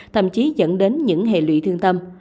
thậm chí dẫn đến những hệ lụy thương tâm